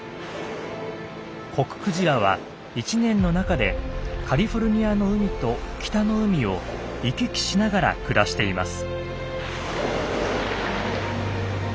コククジラは１年の中でカリフォルニアの海と北の海を行き来しながら暮らしています。